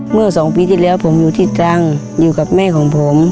เมื่อสองปีที่แล้วผมอยู่ที่ตรังอยู่กับแม่ของผม